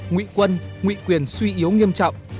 nguyện quân nguyện quyền suy yếu nghiêm trọng